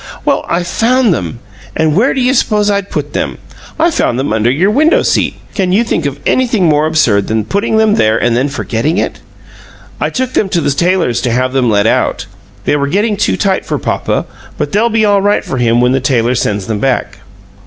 "Well, I found them! And where do you suppose I'd put them? I found them under your window seat. Can you think of anything more absurd than putting them there and then forgetting it? I took them to the tailor's to have them let out. They were getting too tight for papa, but they'll be all right for him when the tailor sends them back."